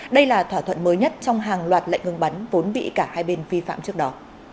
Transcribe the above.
đây là thỏa thuận mới nhất trong hàng loạt lệnh ngừng bắn vốn bị cả hai bên vi phạm trước đó